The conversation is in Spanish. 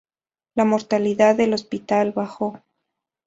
La mortalidad del hospital bajó.